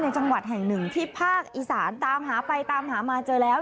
จังหวัดแห่งหนึ่งที่ภาคอีสานตามหาไปตามหามาเจอแล้ว